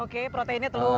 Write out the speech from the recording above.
oke proteinnya telur